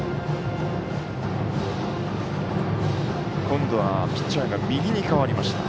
今度は、ピッチャーが右に変わりました。